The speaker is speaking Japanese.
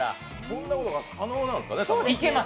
そんなことが可能なんですかね。